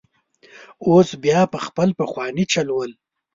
اوس بیا په خپل پخواني چل ول.